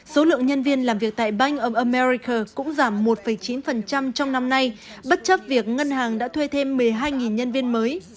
số lượng nhân viên làm việc tại banh ông americer cũng giảm một chín trong năm nay bất chấp việc ngân hàng đã thuê thêm một mươi hai nhân viên mới